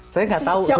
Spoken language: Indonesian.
saya gak tau sebenernya